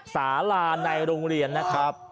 สาราในโรงเรียนนะครับ